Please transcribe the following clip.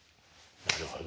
なるほど！